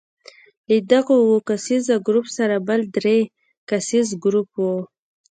له دغو اووه کسیز ګروپ سره بل درې کسیز ګروپ وو.